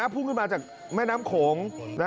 พุ่งขึ้นมาจากแม่น้ำโขง